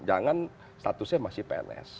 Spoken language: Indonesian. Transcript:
jangan statusnya masih pns